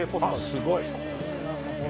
すごい。